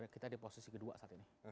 kita di posisi kedua saat ini